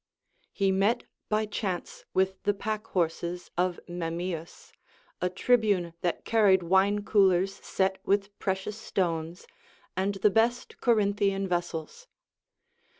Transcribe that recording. He met by chance with the pack horses of Memmius, a tribune that carried wine coolers set with precious stones, and the best Corinthian vessels.